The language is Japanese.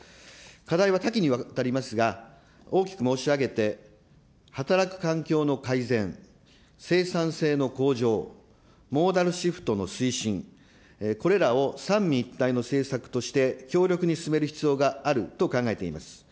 課題は多岐にわたりますが、大きく申し上げて働く環境の改善、生産性の向上、モーダルシフトの推進、これらを三位一体の政策として強力に進める必要があると考えております。